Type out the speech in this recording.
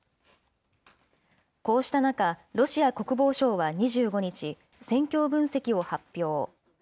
こうした中、ロシア国防省は２５日、戦況分析を発表。